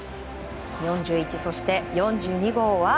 ４１、そして４２号は。